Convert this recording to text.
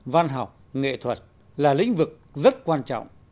văn học nghệ thuật là lĩnh vực rất quan trọng